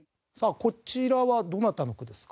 こちらはどなたの句ですか？